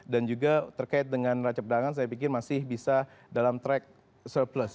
dan juga terkait dengan neracap dagangan saya pikir masih bisa dalam track surplus